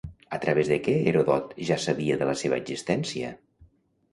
A través de què Heròdot ja sabia de la seva existència?